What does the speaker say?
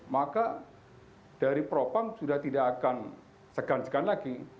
maka dari propam sudah tidak akan segan segan lagi